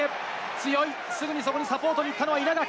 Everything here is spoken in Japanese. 強い、すぐにそこにサポートに行ったのは稲垣。